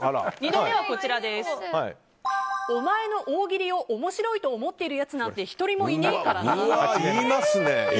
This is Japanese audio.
２度目は、お前の大喜利を面白いと思ってるやつなんて１人もいねーからなと。